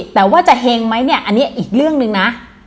แต่ว่าจะเฮงไหมเนี่ยอันนี้อีกเรื่องหนึ่งนะ